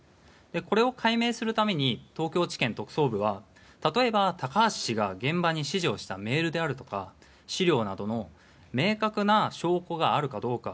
これを解明するために東京地検特捜部は例えば高橋氏が現場に指示をしたメールであるとか資料の明確な証拠があるかどうか。